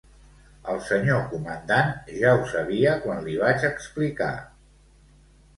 El senyor Comandant ja ho sabia quan li vaig explicar.